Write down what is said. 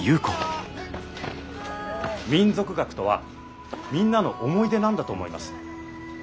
民俗学とはみんなの思い出なんだと思います。